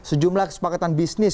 sejumlah kesepakatan bisnis